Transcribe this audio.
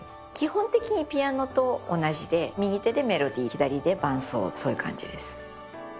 基本的にピアノと同じで右手でメロディー左で伴奏そういう感じです。